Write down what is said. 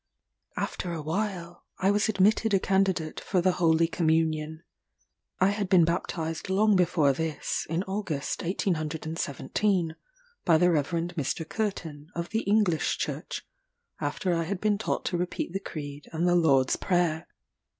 After a while I was admitted a candidate for the holy Communion. I had been baptized long before this, in August 1817, by the Rev. Mr. Curtin, of the English Church, after I had been taught to repeat the Creed and the Lord's Prayer.